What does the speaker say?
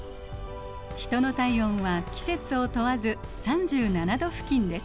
ヒトの体温は季節を問わず３７℃付近です。